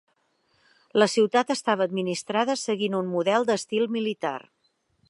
La ciutat estava administrada seguint un model d'estil militar.